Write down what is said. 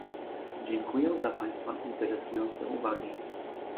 Dziękuję za państwa interesujące uwagi